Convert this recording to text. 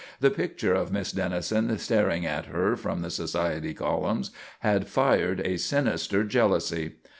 The picture of Miss Dennison, staring at her from the society columns, had fired a sinister jealousy.